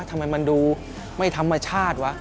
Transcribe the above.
ทำไมมันดูไม่ธรรมชาติวะ